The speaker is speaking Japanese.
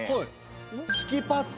敷きパッド。